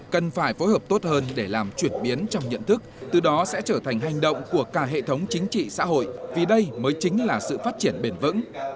cần phải phối hợp tốt hơn để làm chuyển biến trong nhận thức từ đó sẽ trở thành hành động của cả hệ thống chính trị xã hội vì đây mới chính là sự phát triển bền vững